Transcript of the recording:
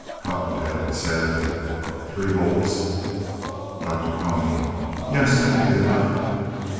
COTTONTAIL (sadly) Three holes? DR. CONY Yes, that will be enough.